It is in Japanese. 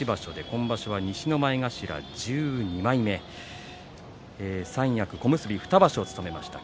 今場所は西の前頭１２枚目三役小結を２場所を務めました。